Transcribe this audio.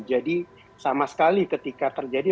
jadi sama sekali ketika terjadi